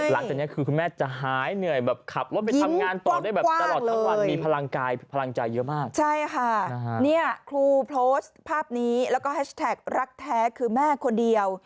และก็แฮชแท็กรักแท้คือแม่คนเดียว